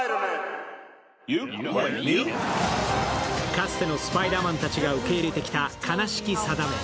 かつてのスパイダーマンたちが受け入れてきた悲しき定め。